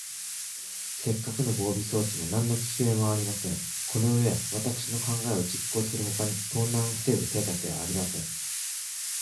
せっかくの防備装置も、なんのききめもありません。このうえは、わたくしの考えを実行するほかに、盗難をふせぐ手だてはありません。